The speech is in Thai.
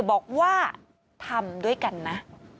บอกว่าทำด้วยกันนะ